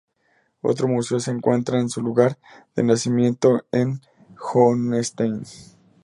Otro museo se encuentra en su lugar de nacimiento en Hohenstein-Ernstthal.